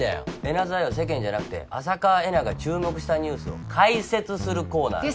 エナズアイは世間じゃなくて浅川恵那が注目したニュースを解説するコーナー。